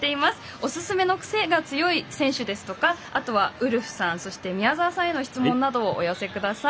おすすめのクセが強い選手ですとかあとはウルフさん、宮澤さんへの質問などをお寄せください。